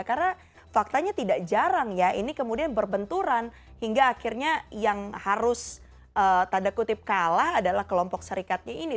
karena faktanya tidak jarang ya ini kemudian berbenturan hingga akhirnya yang harus tanda kutip kalah adalah kelompok serikatnya ini